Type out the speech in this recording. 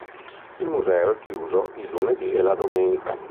Il museo è chiuso il lunedì e la domenica.